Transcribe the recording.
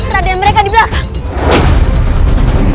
raden mereka di belakang